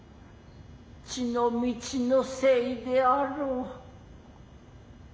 血の道のせいであろう。